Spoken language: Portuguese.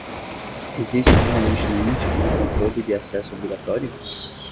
Existe realmente nenhum tipo de controle de acesso obrigatório?